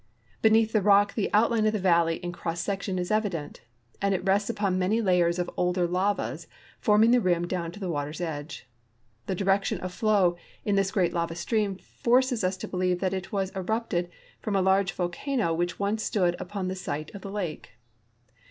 Beneath the rock the outline of the valley in cross section is evident, and it rests upon many layers of older lavas forming the rim down to the water's edge. The direction of flow in this great lava stream forces us to believe that it was erui)ted from a large volcano which once stood ui)on the site of the lake.